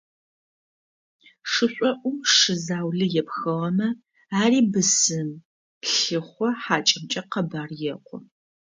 Шышӏоӏум шы заулэ епхыгъэмэ, ари бысым лъыхъо хьакӏэмкӏэ къэбар екъу.